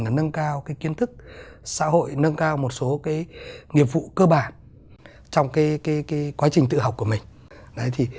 và nâng cao cái kiến thức xã hội nâng cao một số cái nghiệp vụ cơ bản trong cái quá trình tự học của mình